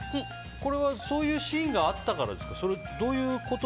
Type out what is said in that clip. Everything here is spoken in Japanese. これはそういうシーンがあったからですか？